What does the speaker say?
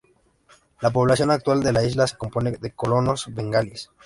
La población actual de la isla se compone de colonos bengalíes.